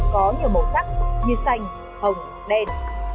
có nhiều màu sắc như xanh hồng đen